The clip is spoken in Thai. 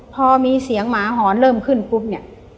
พอมีเสียงหมาหอนเริ่มขึ้นปุ๊บเนี่ย